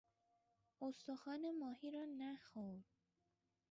استخوان ماهی را نخور!